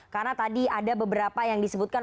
karena tadi ada beberapa yang disebutkan